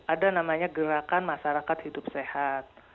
ada namanya gerakan masyarakat hidup sehat